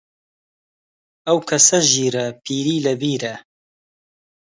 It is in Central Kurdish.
ئەو کەسە ژیرە، پیری لە بیرە